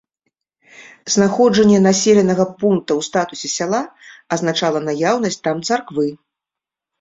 Знаходжанне населенага пункта ў статусе сяла азначала наяўнасць там царквы.